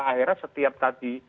akhirnya setiap tadi